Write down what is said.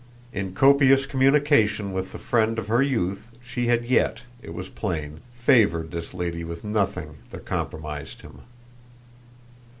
In copious communication with the friend of her youth she had yet, it was plain, favoured this lady with nothing that compromised him.